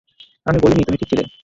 আমি বলিনি তুমি ঠিক ছিলে।